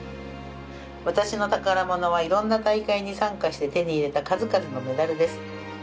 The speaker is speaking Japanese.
私の宝物は、いろんな大会に参加して手に入れた数々のメダルです。